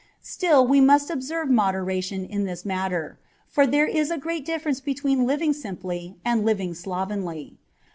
Still, we must observe moderation in this matter, for there is a great difference between living simply and living slovenly.